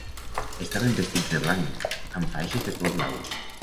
Estaven vestits de blanc, amb faixes de color blau.